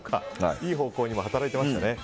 いい方向にも働いてましたね。